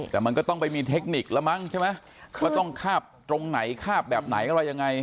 แต่มันก็ต้องไปมีเทคนิคแล้วมั้งใช่ไหมว่าต้องคาบตรงไหนคาบแบบไหนอะไรยังไง